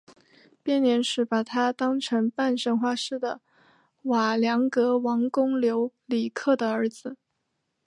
编年史把他当成半神话式的瓦良格王公留里克的儿子。